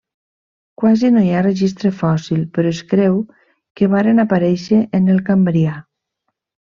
Quasi no hi ha registre fòssil, però es creu que varen aparèixer en el Cambrià.